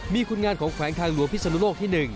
มีคุณงานของแขวงทางหลวงพิศนุโลกที่๑